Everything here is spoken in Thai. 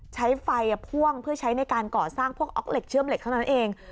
ใช้ไฟพ่วงเพื่อใช้ในการก่อสร้างพวกออกเหล็กเชื่อมเหล็กเท่านั้นเอง